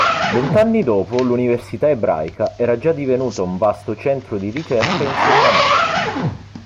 Vent'anni dopo l'Università Ebraica era già divenuta un vasto centro di ricerca e insegnamento.